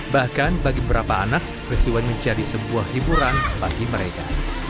bahkan bagi beberapa anak peristiwa ini menjadi sebuah hiburan bagi mereka